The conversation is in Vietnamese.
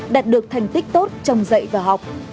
đạt được thành tích tốt trong dạy trường